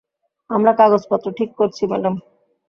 আমরা কাগজপত্র ঠিক করছি, ম্যাডাম।